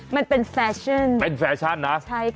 มันเป็นแฟชั่นใช่ค่ะเป็นแฟชั่นนะ